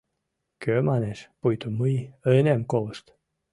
Кӧ манеш, пуйто мый ынем колышт?